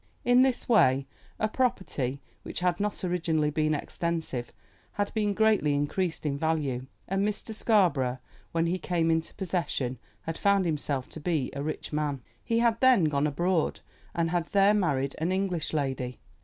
In this way a property which had not originally been extensive had been greatly increased in value, and Mr. Scarborough, when he came into possession, had found himself to be a rich man. He had then gone abroad, and had there married an English lady.